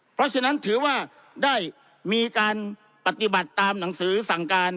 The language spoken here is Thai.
เพราะฉะนั้นถือว่าได้มีการปฏิบัติตามหนังสือสั่งการ